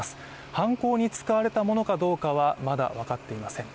犯行に使われたものかどうかはまだ分かっていません。